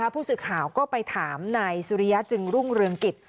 ผู้สื่อข่าวก็ไปถามนายสุริยะจึงรุ่งเรืองกิจ